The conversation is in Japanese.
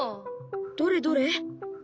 どれどれ。